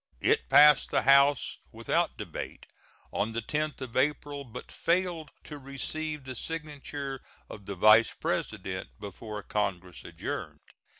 It passed the House without debate on the 10th of April, but failed to receive the signature of the Vice President before Congress adjourned.